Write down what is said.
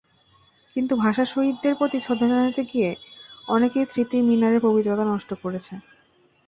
কিন্তু ভাষাশহীদদের প্রতি শ্রদ্ধা জানাতে গিয়ে অনেকেই স্মৃতির মিনারের পবিত্রতা নষ্ট করেছে।